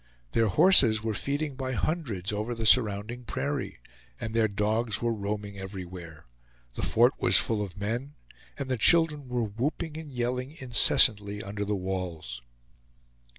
Their horses were feeding by hundreds over the surrounding prairie, and their dogs were roaming everywhere. The fort was full of men, and the children were whooping and yelling incessantly under the walls.